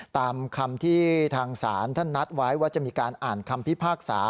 ตามคำที่ทางศาลท่านนัดไว้ว่าจะมีการอ่านคำพิพากษา